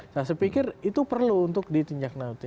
saya pikir itu perlu untuk ditinjak nanti